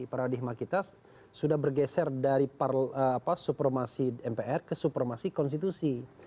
paradigma kita sudah bergeser dari supremasi mpr ke supremasi konstitusi